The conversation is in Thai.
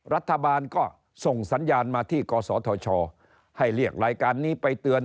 รัฐบาลก็ส่งสัญญาณมาที่กศธชให้เรียกรายการนี้ไปเตือน